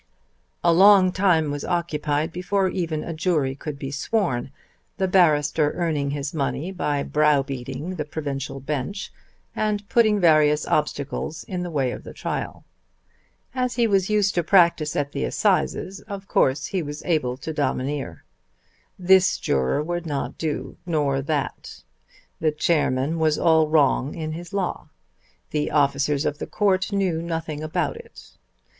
A long time was occupied before even a jury could be sworn, the barrister earning his money by brow beating the provincial bench and putting various obstacles in the way of the trial. As he was used to practice at the assizes of course he was able to domineer. This juror would not do, nor that. The chairman was all wrong in his law. The officers of the Court knew nothing about it.